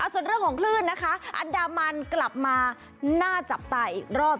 ส่วนเรื่องของคลื่นนะคะอันดามันกลับมาน่าจับตาอีกรอบ